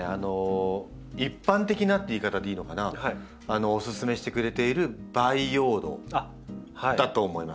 一般的なって言い方でいいのかなおすすめしてくれている培養土だと思います。